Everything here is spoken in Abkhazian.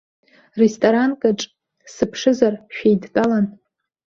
Ресторанкаҿ, сыԥшызар, шәеидтәалан.